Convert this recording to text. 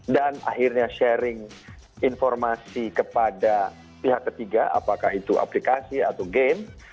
dan akhirnya sharing informasi kepada pihak ketiga apakah itu aplikasi atau game